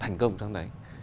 thành công trong đấy